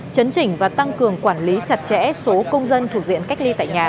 chấn chỉnh và tăng cường quản lý chặt chẽ số công dân thuộc diện cách ly tại nhà